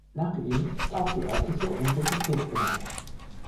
Nach ihm ist auch die örtliche Universität benannt.